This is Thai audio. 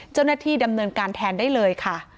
เจ้าหน้าที่ดำเนินการแทนได้เลยค่ะ